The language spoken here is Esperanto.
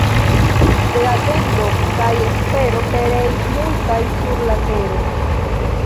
De atendo kaj espero pereis multaj sur la tero.